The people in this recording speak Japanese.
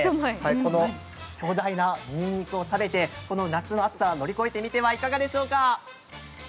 この巨大なにんにくを食べて夏の暑さを乗り越えてはどうでしょうか。